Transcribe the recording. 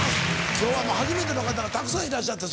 今日はもう初めての方がたくさんいらっしゃって。